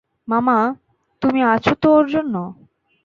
মামা, তুমি আছো তো ওর জন্য।